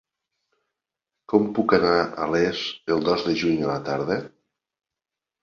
Com puc anar a Les el dos de juny a la tarda?